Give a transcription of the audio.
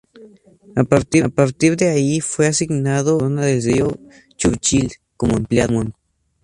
A partir de ahí, fue asignado a la zona del río Churchill como empleado.